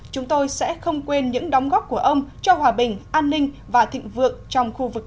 chúng tôi sẽ không quên những đóng góp của ông cho hòa bình an ninh và thịnh vượng trong khu vực